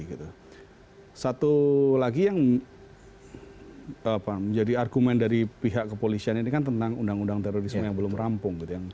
satu lagi yang menjadi argumen dari pihak kepolisian ini kan tentang undang undang terorisme yang belum rampung